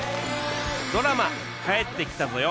ドラマ『帰ってきたぞよ！